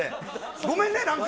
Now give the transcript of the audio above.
ごめんね、なんか。